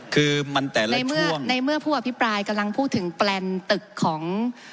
คือมันแต่ละช่วงในเมื่อพวกพี่ปลายกำลังพูดถึงแปลนตึกของ